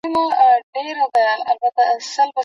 چرګه د خپلو بچیو په مخ کې په نوي شنه چمن کې مښوکې وهي.